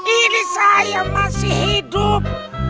ini saya masih hidup